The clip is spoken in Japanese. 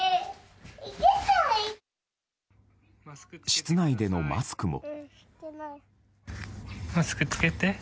室内でのマスクも。